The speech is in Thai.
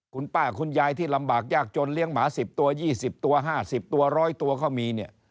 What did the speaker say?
คุณป้าคุณยายที่ลำบากยากจนเลี้ยงหมา๑๐ตัว๒๐ตัว๕๐ตัว๑๐๐ตัวเขามีเนี่ย